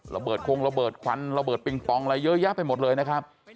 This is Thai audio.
คงระเบิดควันระเบิดปิงปองอะไรเยอะแยะไปหมดเลยนะครับ